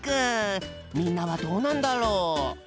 みんなはどうなんだろう。